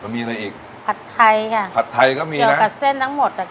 มีอะไรอีกผัดไทยค่ะผัดไทยก็มีเกี่ยวกับเส้นทั้งหมดอ่ะค่ะ